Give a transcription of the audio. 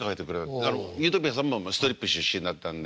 ゆーとぴあさんもストリップ出身だったんで。